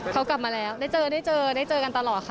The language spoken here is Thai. เขากลับมาแล้วได้เจอได้เจอได้เจอกันตลอดค่ะ